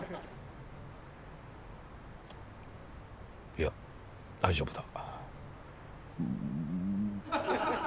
いや大丈夫だ。